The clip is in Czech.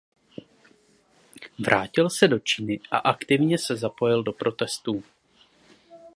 Vrátil se do Číny a aktivně se zapojil do protestů.